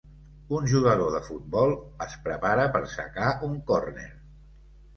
Un jugador de futbol es prepara per sacar un córner.